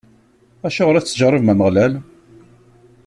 Acuɣer i tettjeṛṛibem Ameɣlal?